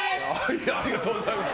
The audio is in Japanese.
ありがとうございます。